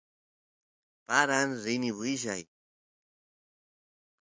paran rini willay